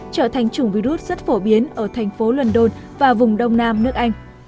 trở thành chủng virus rất phổ biến ở thành phố london và vùng đông nam nước anh